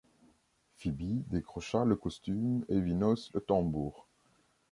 Fibi décrocha le costume et Vinos le tambour.